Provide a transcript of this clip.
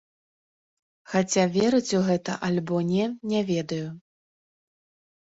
Хаця верыць у гэта альбо не, не ведаю.